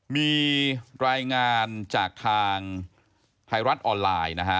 มีรายงานจากทางไทยรัฐออนไลน์นะฮะ